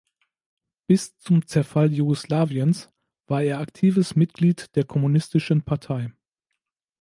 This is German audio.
Bis zum Zerfall Jugoslawiens war er aktives Mitglied der Kommunistischen Partei.